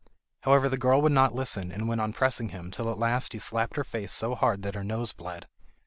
However, the girl would not listen, and went on pressing him, till at last he slapped her face so hard that her nose bled.